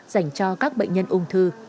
dành cho các bệnh nhân ung thư